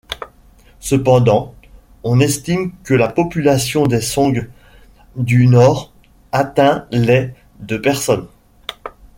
Cependant, on estime que la population des Song du Nord atteint les de personnes.